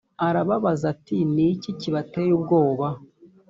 arababaza ati ni iki kibateye ubwoba